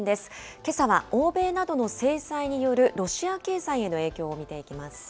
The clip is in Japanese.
けさは欧米などの制裁によるロシア経済への影響を見ていきます。